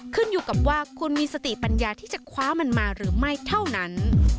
ขึ้นอยู่กับว่าคุณมีสติปัญญาที่จะคว้ามันมาหรือไม่เท่านั้น